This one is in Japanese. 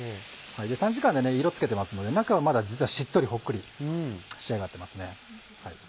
短時間で色つけてますので中はまだ実はしっとりほっくり仕上がってますね。